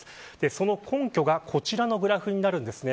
その根拠がこちらのグラフです。